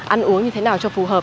ăn uống như thế nào cho phù hợp